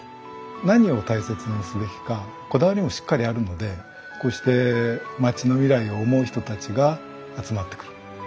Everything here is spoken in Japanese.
何を大切にすべきかこだわりもしっかりあるのでこうして町の未来を思う人たちが集まってくる。